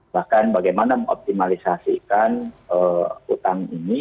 bahkan bagaimana mengoptimalisasikan utang ini